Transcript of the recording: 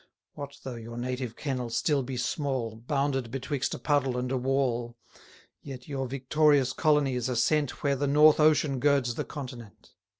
What though your native kennel still be small, Bounded betwixt a puddle and a wall; Yet your victorious colonies are sent Where the north ocean girds the continent.